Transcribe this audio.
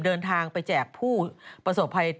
เดินทางไปแจกผู้ประสบภัย